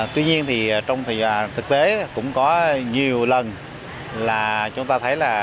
tuy nhiên thì trong thời gian thực tế cũng có nhiều lần là chúng ta thấy là